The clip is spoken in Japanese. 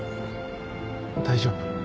大丈夫？